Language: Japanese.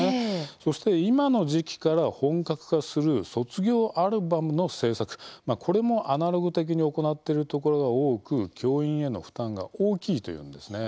そして、今の時期から本格化する卒業アルバムの制作これもアナログ的に行っているところが多く教員への負担が大きいというんです。